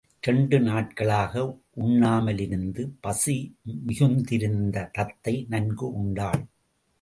இரண்டு நாட்களாக உண்ணாமலிருந்து பசி மிகுந்திருந்த தத்தை நன்கு உண்டாள்.